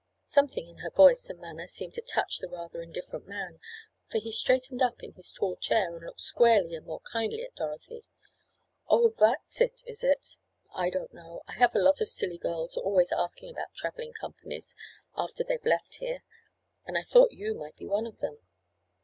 Something in her voice and manner seemed to touch the rather indifferent man, for he straightened up in his tall chair and looked squarely and more kindly at Dorothy. "Oh, that's it, is it? I didn't know. I have a lot of silly girls always asking about traveling companies after they've left here, and I thought you might be one of them.